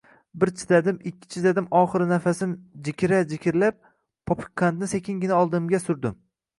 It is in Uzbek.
Bir chidadim, ikki chidadim, oxiri nafsim jikira-jikirlab, popukqandni sekingina oldimga surdim